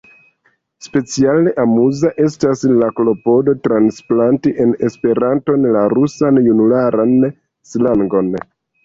Speciale amuza estas la klopodo transplanti en Esperanton la rusan junularan slangon.